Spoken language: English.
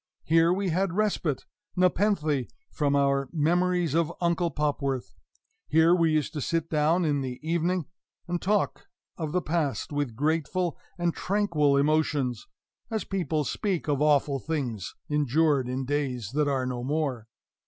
Here we had respite, nepenthe from our memories of Uncle Popworth; here we used to sit down in the evening and talk of the past with grateful and tranquil emotions, as people speak of awful things endured in days that are no more.